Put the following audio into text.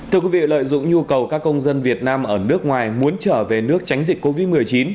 thưa quý vị lợi dụng nhu cầu các công dân việt nam ở nước ngoài muốn trở về nước tránh dịch covid một mươi chín